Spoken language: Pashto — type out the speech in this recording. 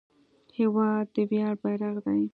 هېواد د ویاړ بیرغ دی.